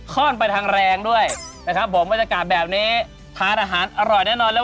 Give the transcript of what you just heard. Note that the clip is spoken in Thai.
ข้อนไปทางแรงด้วยนะครับผมบรรยากาศแบบนี้ทานอาหารอร่อยแน่นอนแล้ว